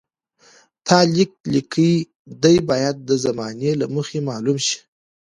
تا لیک لیکلی دی باید د زمانې له مخې معلوم شي.